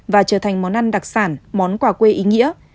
và trở thành món ăn đặc sản món quà quê ý nghĩa